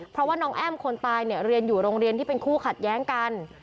เพราะว่าน้องแอ้มคนตายเนี่ยเรียนอยู่โรงเรียนที่เป็นคู่ขัดแย้งกัน